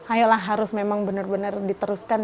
ayolah harus memang benar benar diteruskan